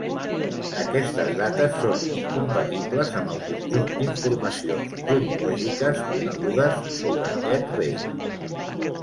Aquestes dates són incompatibles amb el conjunt d'informacions cronològiques conegudes sobre aquest rei.